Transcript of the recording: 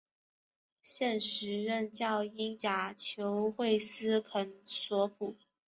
现时任教英甲球会斯肯索普。